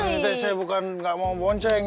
ini teh saya bukan gak mau bonceng